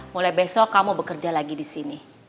mulai besok kamu bekerja lagi disini